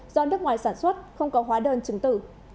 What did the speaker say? do nước ngoài sản xuất không có hóa đơn chứng tử